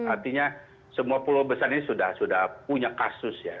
artinya semua pulau besar ini sudah punya kasus ya